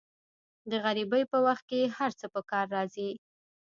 د غریبۍ په وخت کې هر څه په کار راځي.